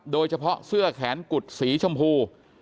โดยเฉพาะเสื้อแขนกุดสีชมพู